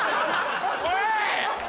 おい！